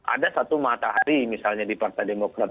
ada satu matahari misalnya di partai demokrat